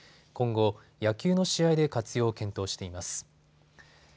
今後、野球の試合で活用を検討しています。